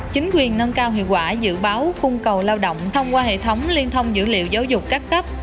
chính quyền nâng cao hiệu quả dự báo cung cầu lao động thông qua hệ thống liên thông dữ liệu giáo dục các cấp